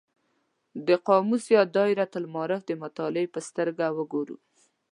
د قاموس یا دایرة المعارف د مطالعې په سترګه وګورو.